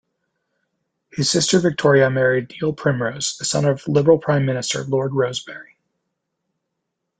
His sister Victoria married Neil Primrose, the son of Liberal Prime Minister Lord Rosebery.